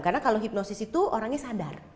karena kalau hipnotis itu orangnya sadar